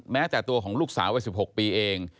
แม้แต่ตัวของลูกสาววัย๑๖ปีเอง